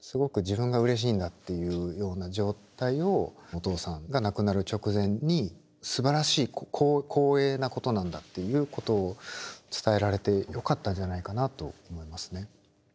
すごく自分がうれしいんだっていうような状態をお父さんが亡くなる直前にすばらしい光栄なことなんだっていうことを伝えられてよかったんじゃないかなと思いますね。